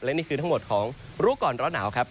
นี่คือทั้งหมดของรู้ก่อนร้อนหนาวครับ